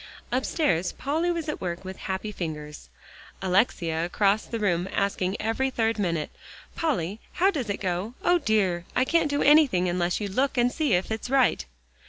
Upstairs Polly was at work with happy fingers, Alexia across the room, asking every third minute, "Polly, how does it go? O dear! I can't do anything unless you look and see if it's right."